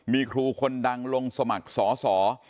มีครูคนดังลงสมัครสอสอ